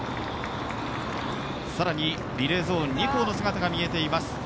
更にリレーゾーン２校の姿が見えています。